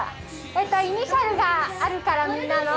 イニシャルがあるからみんなの。